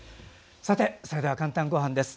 それでは「かんたんごはん」です。